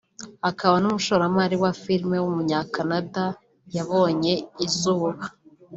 akaba n’umushoramari wa filime w’umunyakanada yabonye izuba